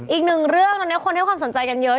อีกหนึ่งเรื่องตอนนี้คนให้ความสนใจกันเยอะ